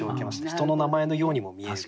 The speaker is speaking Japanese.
人の名前のようにも見える。